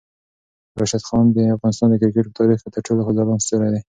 راشد خان د افغانستان د کرکټ په تاریخ کې تر ټولو ځلاند ستوری دی.